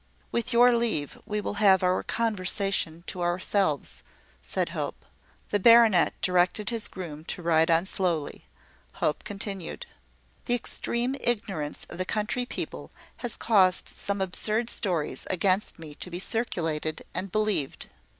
"With your leave, we will have our conversation to ourselves," said Hope. The baronet directed his groom to ride on slowly. Hope continued: "The extreme ignorance of the country people has caused some absurd stories against me to be circulated and believed.